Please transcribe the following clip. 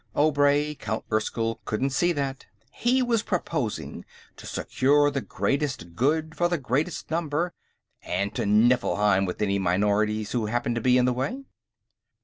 Obray, Count Erskyll, couldn't see that. He was proposing to secure the Greatest Good for the Greatest Number, and to Nifflheim with any minorities who happened to be in the way.